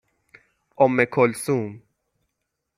اُمکلثوم